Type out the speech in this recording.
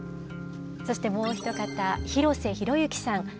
そしてもう一方広瀬宏之さん。